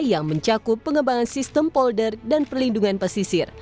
yang mencakup pengembangan sistem polder dan perlindungan pesisir